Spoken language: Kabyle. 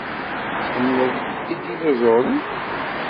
Tḥemmlem idinuẓuren?